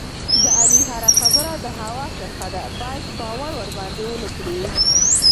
د علي هره خبره د هوا کرښه ده، باید باور ورباندې و نه کړې.